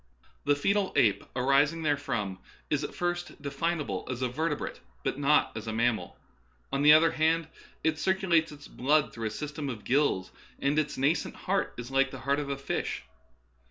The foetal ape arising therefrom is at first definable as a vertebrate, but not as a mammal ; on the other hand, it cir culates its blood through a system of gills, and its nascent heart is like the heart of a fish.